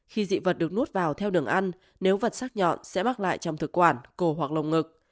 khi dị vật được nuốt vào theo đường ăn nếu vật sắc nhọn sẽ mắc lại trong thực quản cổ hoặc lồng ngực